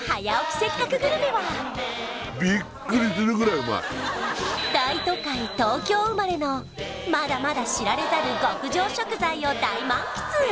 せっかくグルメは大都会・東京生まれのまだまだ知られざる極上食材を大満喫